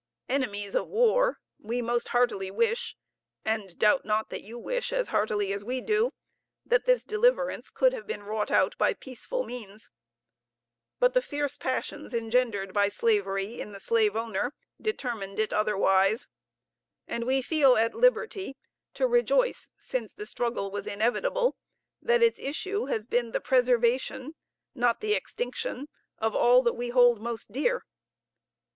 "Enemies of war, we most heartily wish, and doubt not that you wish as heartily as we do, that this deliverance could have been wrought out by peaceful means. But the fierce passions engendered by slavery in the slaveowner, determined it otherwise; and we feel at liberty to rejoice, since the struggle was inevitable, that its issue has been the preservation, not the extinction, of all that we hold most dear.